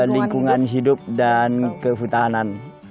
lingkungan hidup dan kehutanan